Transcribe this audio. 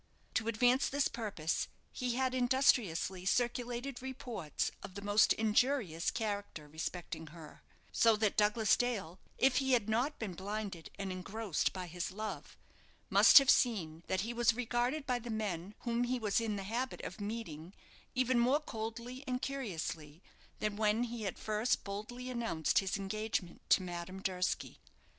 To advance this purpose, he had industriously circulated reports of the most injurious character respecting her; so that Douglas Dale, if he had not been blinded and engrossed by his love, must have seen that he was regarded by the men whom he was in the habit of meeting even more coldly and curiously than when he had first boldly announced his engagement to Madame Durski.